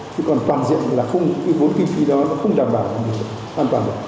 thế còn toàn diện thì vốn kinh phí đó không đảm bảo an toàn được